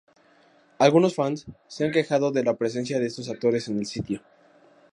Algunos fans se han quejado de la presencia de estos actores en el sitio.